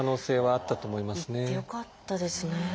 行ってよかったですね。